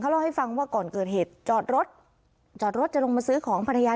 เล่าให้ฟังว่าก่อนเกิดเหตุจอดรถจอดรถจะลงมาซื้อของภรรยา